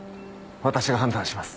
私が判断します。